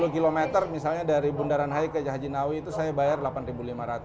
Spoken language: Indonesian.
dua puluh km misalnya dari bundaran hai ke jahajinawi itu saya bayar rp delapan lima ratus